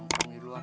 ngapain di luar